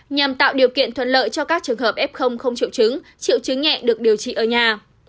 nhằm tạo điều kiện thuận lợi cho các trường hợp f không triệu chứng triệu chứng nhẹ được điều trị ở nhà